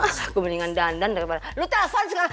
ha ha gue mendingan dandan daripada loe telfon sekarang